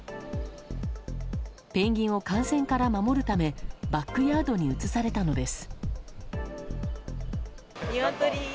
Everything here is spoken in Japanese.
ペンギンを感染から守るためバックヤードに移されたのです。